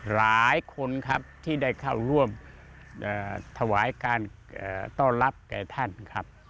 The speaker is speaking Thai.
หลายคนครับที่ได้เข้าร่วมถวายการต้อนรับแก่ท่านครับ